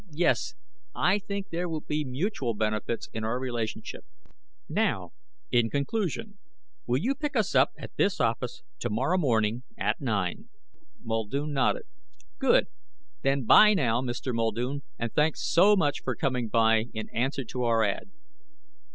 "Yes, I think there will be mutual benefits in our relationship. Now, in conclusion, will you pick us up at this office tomorrow morning at nine?" Muldoon nodded. "Good! Then 'bye now, Mr. Muldoon, and thanks so much for coming by in answer to our ad."